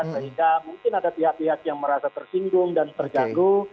sehingga mungkin ada pihak pihak yang merasa tersinggung dan terganggu